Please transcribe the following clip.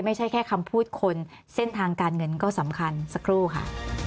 ไม่ใช่แค่คำพูดคนเส้นทางการเงินก็สำคัญสักครู่ค่ะ